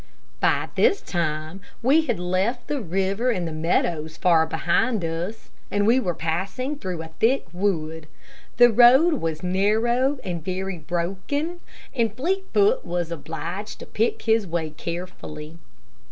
By this time we had left the river and the meadows far behind us, and were passing through a thick wood. The road was narrow and very broken, and Fleetfoot was obliged to pick his way carefully.